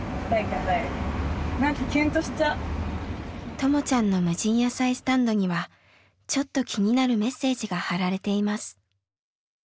ともちゃんの無人野菜スタンドにはちょっと気になるメッセージが貼られています。